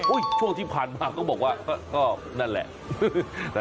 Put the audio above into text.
ช่วงที่ผ่านมาก็บอกว่าก็นั่นแหละ